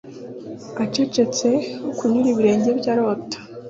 acecetse kunyura ibirenge bye arota